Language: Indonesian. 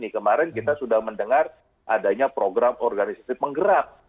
kemarin kita sudah mendengar adanya program organisasi penggerak